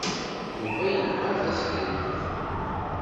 Yuba yebɣa tasegrit.